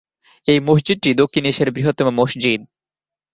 এই মসজিদটি দক্ষিণ এশিয়ার বৃহত্তম মসজিদ।